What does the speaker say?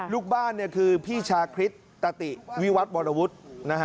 ลูกบ้านคือพี่ชาคริสตติวิวัตรวรวุฒินะฮะ